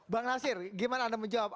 bang nasir gimana anda menjawab